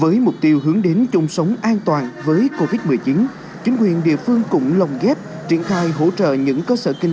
với mục tiêu hướng đến chung sống an toàn với covid một mươi chín chính quyền địa phương cũng lồng ghép tejn khai và truyền khai dữ liệu